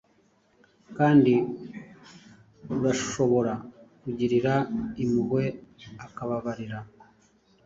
Kandi urashobora kugirira impuhwe ukababarira? '